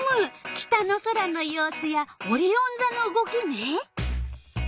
北の空の様子やオリオンざの動きね。